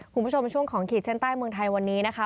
คุณผู้ชมช่วงของขีดเส้นใต้เมืองไทยวันนี้นะคะ